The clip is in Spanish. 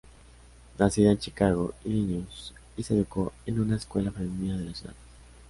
Nacida en Chicago, Illinois, se educó en una escuela femenina de la ciudad.